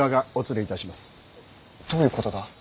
どういうことだ。